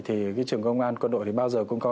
trường công an quân đội bao giờ cũng có